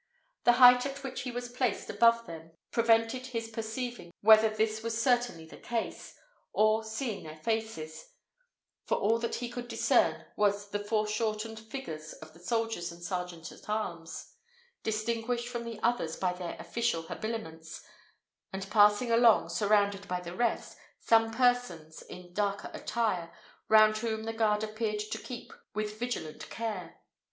The height at which he was placed above them prevented his perceiving whether this was certainly the case, or seeing their faces; for all that he could discern was the foreshortened figures of the soldiers and sergeants at arms, distinguished from the others by their official habiliments; and passing along, surrounded by the rest, some persons in darker attire, round whom the guard appeared to keep with vigilant care.